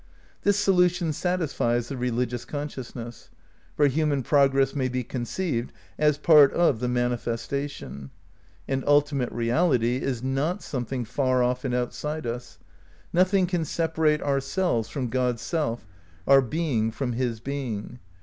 This solution satisfies the religious consciousness. For human progress may be conceived as part of the manifestation. And ultimate reality is not something far off and outside us. Nothing can separate our selves from God's self, our being from his being.